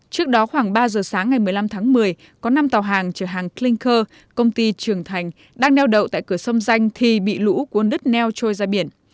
trước đó khoảng ba giờ sáng ngày một mươi năm tháng một mươi có năm tàu hàng chở hàng clinker công ty trường thành đang neo đậu tại cửa sông danh thì bị lũ cuốn đất neo trôi ra biển